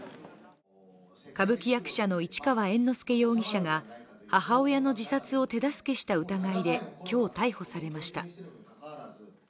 歌舞伎役者の市川猿之助容疑者が母親の自殺を手助けした疑いで今日、逮捕されました。